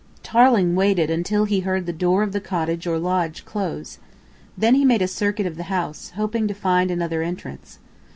Tarling waited until he heard the door of the cottage or lodge close. Then he made a circuit of the house, hoping to find another entrance.